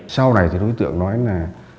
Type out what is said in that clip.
sau này thì đối tượng nói là